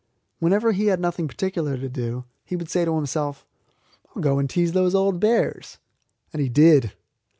Whenever he had nothing particular to do, he would say to himself, 'I'll go and tease those old bears.' And he did.